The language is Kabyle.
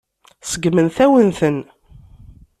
Seggment-awen-ten.